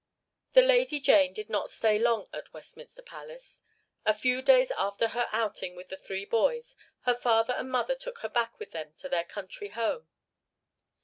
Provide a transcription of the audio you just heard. The Lady Jane did not stay long at Westminster Palace. A few days after her outing with the three boys her father and mother took her back with them to their country home.